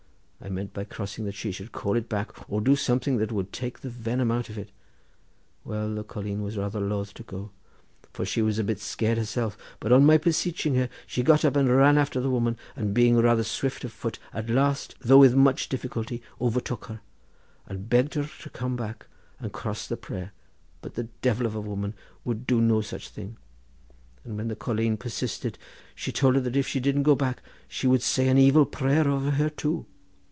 I meant by crossing that she should call it back or do something that would take the venom out of it. Well, the colleen was rather loth to go, for she was a bit scared herself, but on my beseeching her, she got up and ran after the woman, and being rather swift of foot, at last, though with much difficulty, overtook her, and begged her to come back and cross the prayer, but the divil of a woman would do no such thing, and when the colleen persisted she told her that if she didn't go back, she would say an evil prayer over her too.